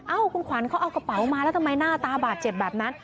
คุณขวัญเขาเอากระเป๋ามาแล้วทำไมหน้าตาบาดเจ็บแบบนั้น